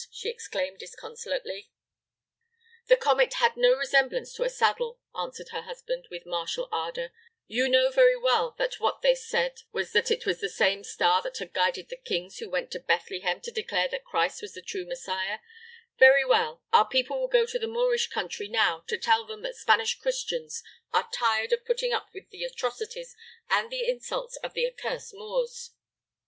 she exclaimed disconsolately. "The comet had no resemblance to a saddle," answered her husband, with martial ardor; "you know very well that what they said was that it was the same star that had guided the kings who went to Bethlehem to declare that Christ was the true Messiah; very well, our people will go to the Moorish country now to tell them that Spanish Christians are tired of putting up with the atrocities and the insults of the accursed Moors."